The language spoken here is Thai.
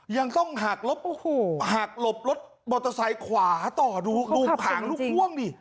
ยังต้องหักหลบบอตเตอร์ไซค์ขวาต่อดูขางดูฮ่วงสิ